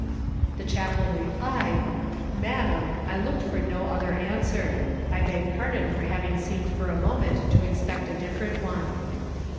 The chaplain replied: "Madam, I looked for no other answer. I beg pardon for having seemed for a moment to expect a different one."